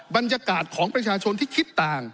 บรรยากาศของประชาชนที่คิดต่าง